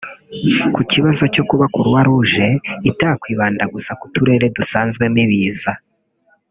Ku kibazo cyo kuba Croix Rouge itakwibanda gusa ku turere dusanzwemo ibiza